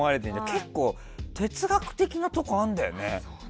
結構、哲学的なところがあるんだよね。